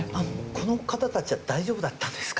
この方たちは大丈夫だったんですか？